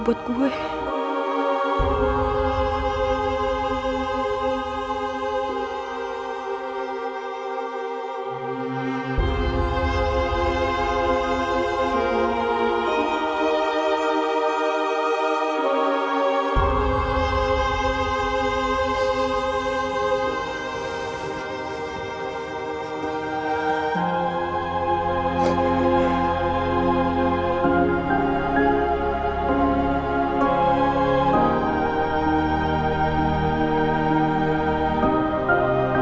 masa peng media